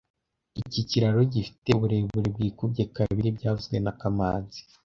Iki kiraro gifite uburebure bwikubye kabiri byavuzwe na kamanzi